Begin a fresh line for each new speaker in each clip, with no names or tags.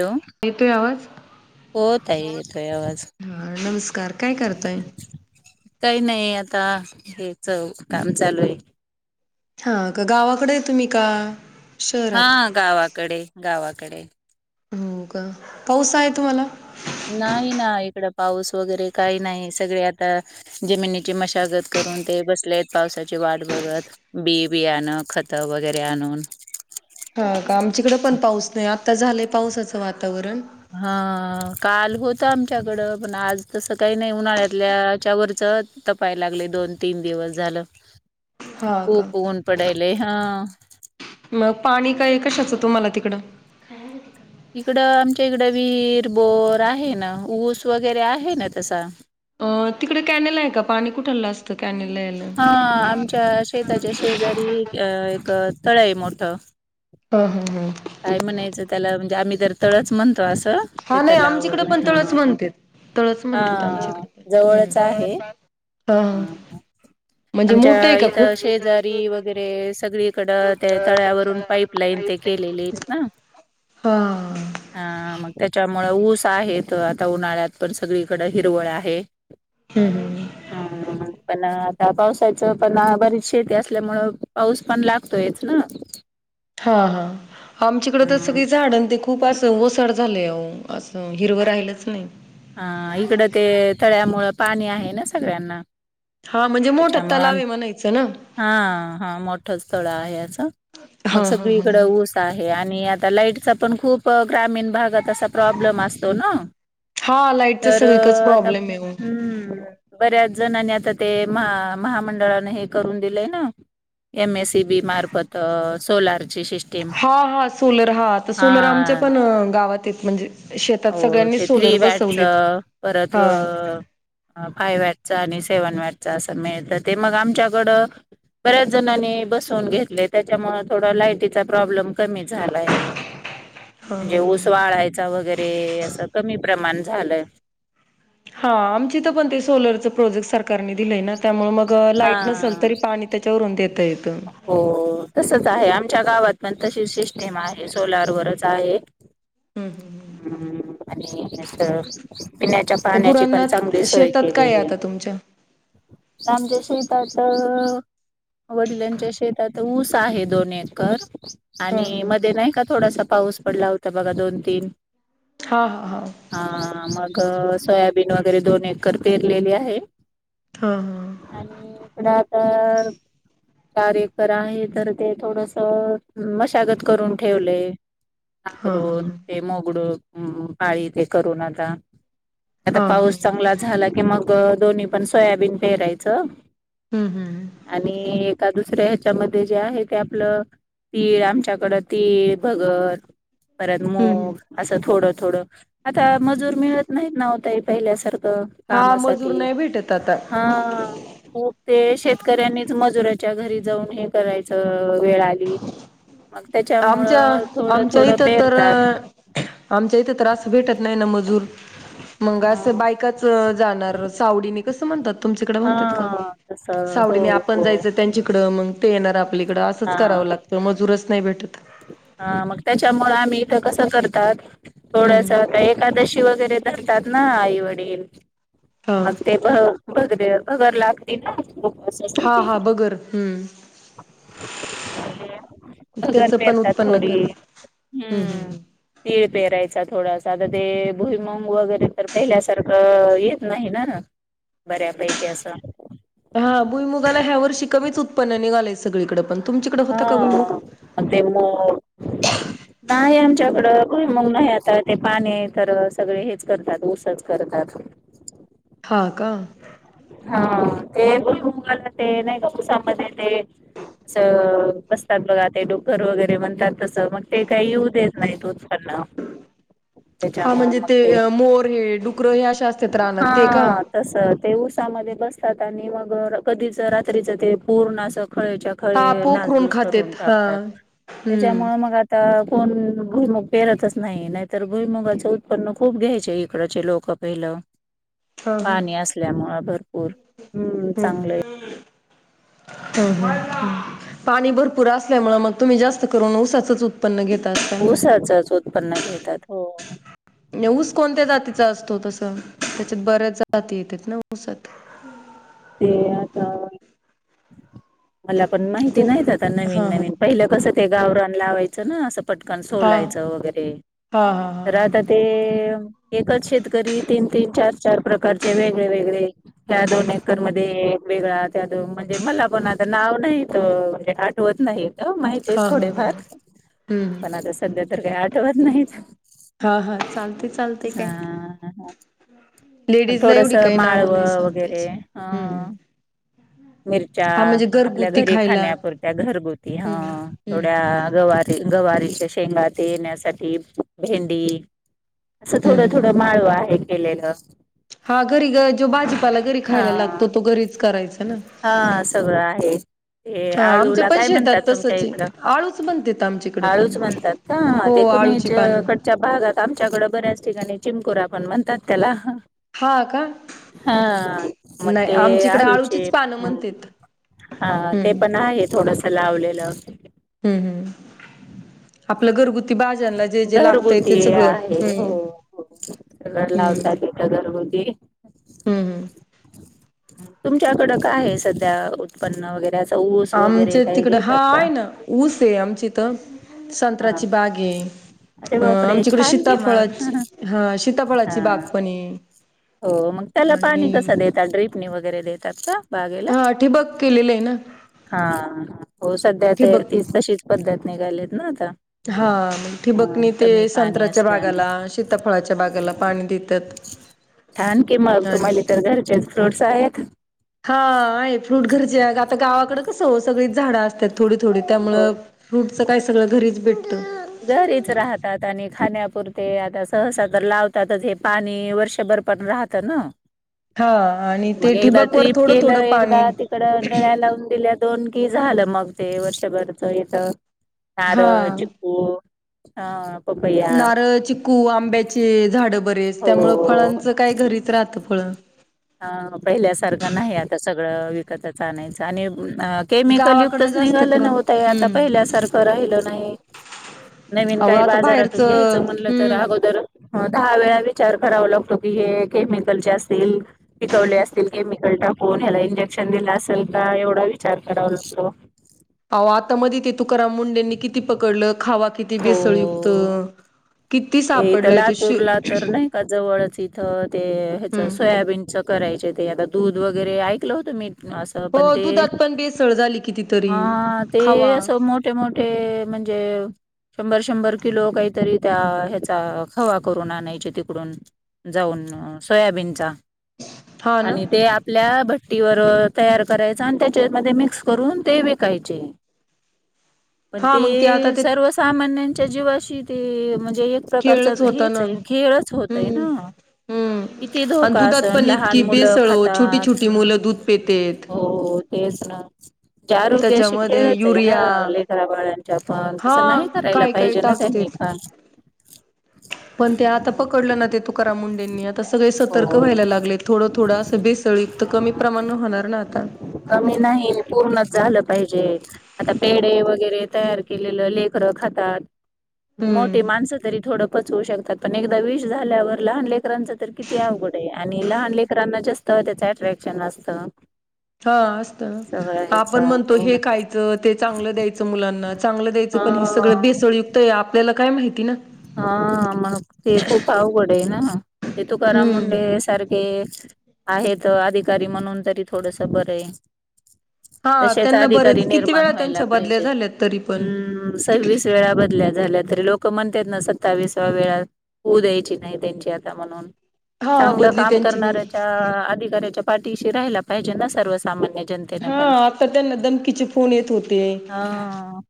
Hello
येतोय आवाज?
हो ताई येतोय आवाज
हा नमस्कार काय करताय
काही नाही नाही आता हेच काम चालू आहे.
हा का गावाकडे तुम्ही का?
हा
शहरात
गावाकडे-गावाकडे.
हो का? पाऊस आहे तुम्हाला
नाही ना इकड पाऊस वगैरे काही नाही सगळे आता जमिनीची मशागत कर करून ते बसलेत पावसाची वाट बघत बी बीयाण खत वगैरे आणून.
हा का आमचीकड पण पाऊस नाय आता झालंय पावसाचं वातावरण
हा काल होत आमच्याकडं पण आज तसं काही नाय उन्हाळ्यातल्या ह्याच्या वरच त तपायला लागलय दोन तीन दिवस झालं.
हा का
खूप ऊन पडालेय हा
मग पाणी काय कशाचं तुम्हाला तिकडं
इकडं आमच्या इकडं विहिर, बोर आहे ना ऊस वगैरे आहे ना तसा
आ तिकड कॅनल आहे का पाणी कुठ्ठल असतं. कॅनेल यायला
हा आमच्या शेताच्या शेजारी अ एक तळ य मोठं
ह हा
काय म्हणायचं त्याला म्हणजे आम्ही तर तळच म्हणतो असं आ ते
हा नाही
तलाव
आमच्याकडे
वगैर
पण
हा
तळच म्हणते तळच म्हणतात
हा
आमच्याकडे पण
जवळच
हम्म
आहे.
हा हा. म्हणजे मोठं आहे
आमच्या
का
इथं
खूप
शेजारी वगैरे सगळीकड ते तळ्यावरून पाईप लाईन ते के लेलीत ना,
हा हम्म
हा मग त्या त्याच्यामुळ ऊस आहेत आता उन्हाळ्यात पण सगळीकड हिरवळ आहे.
हम्म.
हम्म पण या पावसाच पण बरीच शेती असल्यामुळ पाऊस पण लागतोय ना.
हा हा आमचीकड त
हा.
सगळी झाड ते खूप अस ओसा झालंय. अहो, असं हिरवं राहिलच नाही.
हा, इकडं ते तळ्यामुळ पाणी आहे न, सगळ्यांना
हा, म्हणजे मोठा
त्याच्यामुळं
तलाव
आम
ये म्हणायचं. ना?
हा हा, मोठंचं तळ आहे, असं. मग
हां, हां,
सगळीकड
हां.
ऊस आहे, आणि आता लाईटचा - पण खूप ग्रामीण भागात असा प्रॉब्लेम असतो ना?
हां, लाईटचा
तर
सगळीकडच
आता
प्रॉब्लेम आहे ओ.
हम्म, बऱ्याचं - जणानी आता ते महा महामंडळाने हे करून दिलंय, ना एम ए सी बी मार्फत सोलार.
हा हा सोलर. हा, आता सोलर आमच्या
हा
पण गावात येत म्हणजे- शेतात
हो,
सगळ्यांनी
ते
सोलर
थ्री
बसवलेत.
व्हॅटचं, परत
हां,
फाय व्हॅट - ना आणि सेवन व्हॅट चं अस मिळत ते मग आमच्याकडं बऱ्याच जणांनी बसवून घेतले, त्याच्यामुळे थोडा लायटीचा प्रॉब्लेम कमी झालाय. म्हणजे ऊस वाळायचा वगैरे, असं कमी प्रमाण झालंय.
हा, आमच्या इथं, पण ते सोलरच प्रोजेक्ट सरकारनी - दिलय ना, त्यामुळे मग
हा.
लाईट नसल, तरी पाणी त्याच्यावरून देत
हो तसच आहे आम च्या गावात पण तशीच सिस्टीम आहे. सोलरवरच आहे.
हं,
हम्म [inaudible] पिण्याच्या
ते
पाण्याची पण
गुरांना
चांगली सोय
शेतात काय आहे
केलेली ये.
आता तुमच्या?
आमच्या शेतात वडीलांच्या शेतात ऊस आहे दोन एकर, आणि
हां, हां,
मध्ये नाही का? थोडासा - पाऊस पडला होता, बघा. दोन तीन
हां, हां, हां.
- हा, मग सोयाबीन वगैरे - दोन एकर पेरलेले आहे,
हां हां
आणि इकडं आता - चार एकर आहे, तर ते थोडस मशागत करून ठेवलय.
हां हां हां
नागरून ते मोगडून पाती ते करून आता आता
हां
पाऊस चांगला झाला, की मग दोन्ही पण सोयाबीन पेरायचं
हम्म हम्म
आणि एका दुसऱ्या ह्याच्यामध्ये जे आहे. ते आपलं तीळ. आमच्याकड तीळ, भगर परत
हम्म
मुग असं थोडं-थोडं, आता मजूर मिळत नाहीत ना ओ ताई, पहिल्यासारखं
हा मजूर
कामासाठी
नाही भेटत आता
हा [unintelligible] ते शेतकऱ्यांनीच मजुराच्या घरी जाऊन, हे करायचं वेळ आली. मग
आमच्या,
त्याच्यामुळं थोडं
आमच्या
थोडं
इथं तर
पेरतात
आमच्या इथे त्रास. भेटत नाही ना, मजूर मंग
हा
असं बायकाच, जाणार सावडीनी. कसं म्हणतात? तुमच्याकड म्हणत्यात का?
हा तसं हो
सावडीने आपण
हो
जायचं, त्यांच्याकडं मं ते येणार आपलीकडं, असंच
हा
करावं लागतं. मजूरच नाही भेटत.
हा, मग त्याच्यामुळ आम्ही इथं कसं करतात थोडस
हम्म
होता. एकादशी वगैरे धरतात ना, आई वडील.
हा
[inaudible]
हा हा बगर हम्म त्याचं
[inaudible]
पण
पेरतात
उत्पन्न
थोडी.
कर
हम्म, तीळ पेरायचा थोडा आता ते भुईमंग वगैरे, तर पहिल्यासारखं येत नाही, ना? बऱ्यापैकी असा.
हा, भुईमुगाला ह्या वर्षी कमीच, उत्पन्न निघालय. सगळीकडं.
[unintelligible] आमच्याकड भुईमूग नाही. आता पाणी करतात, ऊसाचं करतात. [inaudible]
हा का?
हा [inaudible] बसतात बघा ते डुकर वगैरे म्हणतात. तसं मग ते काही, येऊ देत नाहीत उत्पन्न
हा
त्याच्यामु
म्हणजे
मग ते
मोर हे डुकर हे अशा असतात रानात
हा
ते का?
तस ते ऊसामध्ये बसतात आणि मग कधीच, रात्रीच ते पूर्ण अस खळेच्या
हा
खळे,
पोखरून
नाचधूस करून
खातेत हा
टाकतात.
हम्म
त्याच्यामु मग आता कोण भुईमग पेरतच नाही, नाहीतर भुईमुगाच उत्पन्न खूप घ्यायचे इकडचे लोक पहिलं
हा हा.
पाणी असल्यामूळ, भरपूर हम् चांगलं
ह पाणी भरपूर असल्यामुळे, मग तुम्ही जास्त करून ऊसाचच उत्पन्न घेत
ऊसाचच उत्पन्न घेतात हो.
ऊस कोणत्या जातीचा असतो तस, त्याच्यात बऱ्याच जाती येतात ना ऊसात हम्
ते आता. मला पण माहिती
तू
नाहीत. आता नवीन
हा हा
नवीन, पहिलं कसं ते गावरान लावायचं ना अस पटकन
हा
सोलायचं, वगैरे
हा हा हा
तर आता ते एकच शेतकरी तीन-तीन, चार-चार प्रकारचे वेगळे वेगळे ह दोन मध्ये वेगळा त्या म्हणजे. मला पण आता नाव नाही, म्हणजे आठवत नाही. हो माहित आहे
हा हा हा
थोडेफार,
हा हम्म.
पण आता सध्या तर काही आठवत नाहीत.
हा हा चालते
हा हा.
लेडीज ला एवढ काय, नाव नाही
वगैरे
सांगतेच
अ
हम्म.
मिरच्या
हा म्हणजे
आपल्या
घरगुती
घरी,
खायला
खाण्यापुरत्या घरगुती ह
हम्म
थोड्या
हम्म
गवार गवारीच्या शेंगा, येण्यासाठी भेंडी असं
हम्म हम्म
थोडं-थोडं, माळ आहे केलेलं.
हा घरी जो भाजीपाला, घरी खायला
हा
लागतो तो घरीच करायचा ना
हा सगळं आहे. ते
हा आमच्या
आळूला
पण
काय, म्हणतात
शेतात
तुमच्या
तसच आहे
इकडं?
आळूच बनतेत आमच्याकडे पण
आळूच म्हणतात का? ते
हो आळूची पानं
कुणीच्याकडच्या भागात आमच्याकडं, बऱ्याच ठिकाणी चिमकोरा पण म्हणतात त्याला.
हा का
हा
नाही
मे
आमच्याकडे
अळू.
आळूचीच पानं म्हणतेत
हा ते
हम्म
पण आहे, थोडस लावलेलं.
हम्म हम्म. आपलं घरगुती भाज्यांना जे जे लागतंय ते सगळं हम्म हम्म
लावतली गरगदी
हम्म हम्म.
तुमच्याकडं काय आहे सध्या उत्पन्न वगैरे ऊस
आमच
वगैरे काही
तिकड
घेतात का
हाय ना ऊस आहे आमच इथं
हा
संत्राची बाग आहे
अरे
अ
बापरे
आमच्याकडे
छान कि मग
शीताफळाची, हा शीताफळाची
हा
बाग पण हाय
हो, मग त्याला पाणी कसं देतात ड्रिपनी वगैरे देतात का? बागेला,
हा ठिबक केलेलं आहे ना
हा हो सध्या ते
ठिबक
तीच तशीच पद्धत निघालेत ना आता
हा,
हा
ठिबकणी ते
कमी पाणी
संत्राच्या बागाला,
असल्यामुळे
शीताफळाच्या बागाला
हा.
पाणी देतात ह
छान कि म तुम्हाला तर घरचे फ्रूट्स आहेत
हा तसं ओ सगळीच झाडं असतात थोडी थोडी
हो
त्यामुळं फ्रूटचं काय
हो.
सगळं घरीच भेट
घरीच राहतात आणि खाण्यापुरते आता सहसा तर लावतातच हे पाणी वर्षभर पण राहतं ना
हा आणि ते
मग एकदा
ठिबकवर
ड्रीप
थोडं
केलं
थोडं पाणी
एकदा तिकड नळ्या लावून दिल्या दोन की झालं मग ते वर्षभरच इथ नारळ,
हा
चिकू अ पपया
नारळ, चिकू, आंब्याचे झाड
हो
राहतं फळं.
हा, पहिल्या सारखं नाही आता सगळं विकतच आणायचं आणि अह केमिकल
गावाकडं
युक्तच
जास्त
निघालं ना
करून
ओ ताई आता
हम्म
पहिल्यासारखं राहिल नाही नवीन
अहो
काही
आता
बाजारातून घ्यायच
बाहेरचं
म्हणलं तर
हम्म
अगोदर दहा वेळा विचार करावा लागतो कि हे केमिकल चे असतील, पिकवले असतील केमिकल टाकून ह्याला इंजेक शिक्षण दिलं असेल का एवढा विचार कराव लागतो
अहो आता मध ते तुकाराम मुंडेंनी किती पकडलं खावा किती
हो
बेसळयुक्त कि
ते इथं लातूर ला तर नाही का जवळच इथं ते ह्याच सोयाबीन करायच ते आता दूध वगैरे ऐकलं होतं मी असं पण
हो
ते
दुधात पण बेसळ झाली कितीतरी
हा ते
खावा
असं मोठे मोठे म्हणजे शंभर शंभर किलो काहीतरी त्या ह्याचा खवा करून आणायचे तिकडून जाऊन सोयाबीनचा
हा ना
आणि ते आपल्या भ टीवर तयार करायचा आणि त्याच्यामध्ये मिक्स करून ते विकायचे पण
हा
ते
मग आता ते
सर्वसामान्यांच्या जीवाशी ते म्हणजे एक
खेळच
प्रकारच
होता
हेच
ना
आहे खेळच होत आहे
हम्म
ना
हम्म
किती
आणि
धोका
दुधात
अस
पण
लहान
इतकी
मुलं
बेसळ ओ छोटी
खातात,
छोटी मुलं दूध पेतेत.
हो हो तेच ना जे आरोग्याशी
त्याच्यामध्ये
खेळच आहे ना
युरिया
लेकराबाळ्यांच्या पण
हा
तसं नाही करायला
काय काय
पाहिजे ना त्यांनी
टाकतेत.
नेपा
[unintelligible] पण ते आता पकडलं ना ते तुकाराम मुंडेंनी आता सगळे सतर्क
हो
व्हायला लागले थोडं थोडं असं बेसळी त कमी प्रमाण होणार ना आता
कमी नाही पूर्णच झालं पाहिजे आता पेढे वगैरे तयार केलेलं लेकरं खातात मोठी
हम्म
माणस थोड पचवु शकतात पण एकदा विष झाल्यावर लहान लेकरांच तर किती अवघड आहे आणि लहान लेकरांना असत त्याच अट्रॅक्शन असत
हा असत. आपण म्हणतो
हो
हे
ना
खायचं ते चांगलं द्यायचं मुलांना चांगलं द्यायचं पण हे सगळं
हा
बेसळयुक्त आहे आपल्याला काय माहिती ना
हा म्हण ते खूप आवघड हाय ना. हे तुकाराम
हम्म.
मुंढे सारखे आहेत अधिकारी म्हणून तरी थोडस बरं हय.
[inaudible]
तशेच
त्यांना
अधिकारी
बरेच किती
निर्माण
वेळा
व्हायला
त्यांच्या बदल्या
पाहिजे.
झाल्यात तरी पण
हूम सव्वीस वेळा बदल्या झाल्यात. तरी लोक म्हणतात ना, सत्तावीसाव्यात होऊ द्यायची नाही त्यांची आता म्हणून.
हा
चांगलं
बदली
काम
त्यांची हो
करणाऱ्याच्या अधिकाऱ्याच्या पाठीशी राहायला पाहिजे ना, सर्वसामान्य जनतेने
हा,
पण
आता त्यांना धमकीचे फोन येत होते.
हा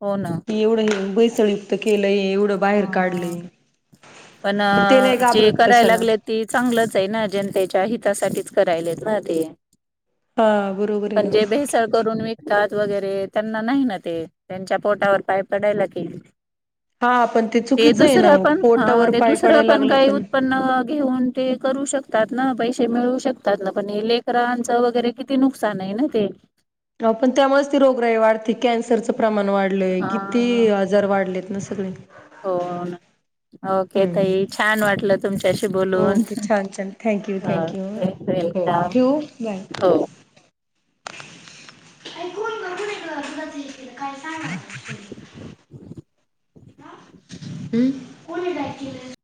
हो ना
एवढं हे भेसळयुक्त केलंय, एवढं बाहेर
ह
काढलयं.
पण जे करायला लागले ते चांगलच आहे ना, जनतेच्या हितासाठी करायलेत ना ते,
हा बरोबर आहे ना
पण जे भेसळ करून विकतात वगैरे त्यांना नाही ना ते त्यांच्या पोटावर पाय पडायला की.
हा, पण ते चुकीचं आहे ना
दुसरं
मग
पण
पोट
हा ते दुसरं पण काही उत्पन्न घेऊन ते करू शकतात ना पैसे मिळू शकतात ना, पण हे लेकरांचं वगैरे किती नुकसान आहे ना ते.
पण त्यामुळेच, ती रोगराई वाढते कॅन्सरचं प्रमाण वाढलंय
हा
किती आजार वाढले ना. सगळे
हो ना, ओके
हम्म
ताई छान! वाटलं तुमच्याशी बोलून
ओके छान छान थँक्यू थँक्यू
वेलकम! हो.
[unintelligible] ऐकून बघून ये गं तुला, ती ते काय सांगालेत ते. हा, हम कोणी डाईल केल?